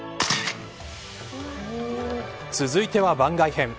続いては番外編。